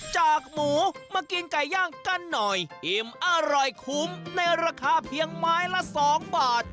จากหมูมากินไก่ย่างกันหน่อยอิ่มอร่อยคุ้มในราคาเพียงไม้ละสองบาท